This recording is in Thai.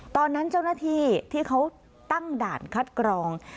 ตอนนั้นเจ้าหน้าที่ที่เขาตั้งด่านคัดกรอง